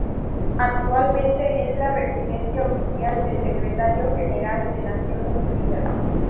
Actualmente es la residencia oficial de Secretario General de Naciones Unidas.